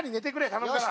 頼むから。